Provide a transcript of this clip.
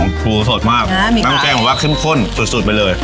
อื้อหือปูโสดมากอ่ะมีผลน้องแกงเหมือนอาวะขึ้นข้นสุด